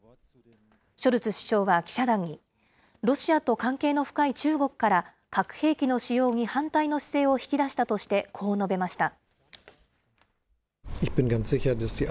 ショルツ首相は記者団に、ロシアと関係の深い中国から、核兵器の使用に反対の姿勢を引き出したとして、こう述べました。